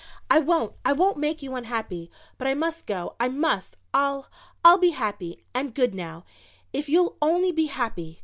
"I won't, I won't make you unhappy but I must go. I must! I'll I'll be happy and good now if you'll only be happy.